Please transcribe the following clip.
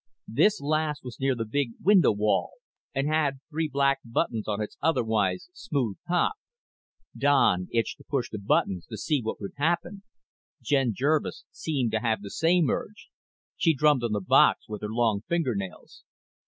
This last was near the big window wall and had three black buttons on its otherwise smooth top. Don itched to push the buttons to see what would happen. Jen Jervis seemed to have the same urge. She drummed on the box with her long fingernails.